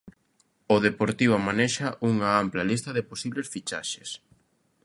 O Deportivo manexa unha ampla lista de posibles fichaxes.